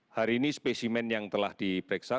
hari ini spesimen yang telah diperiksa